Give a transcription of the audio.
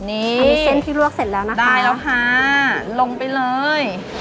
นี่เส้นที่ลวกเสร็จแล้วนะคะได้แล้วค่ะลงไปเลย